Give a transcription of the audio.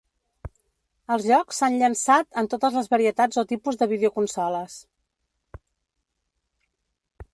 Els jocs s'han llançat en totes les varietats o tipus de videoconsoles.